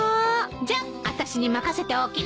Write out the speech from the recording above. じゃああたしに任せておきなさい。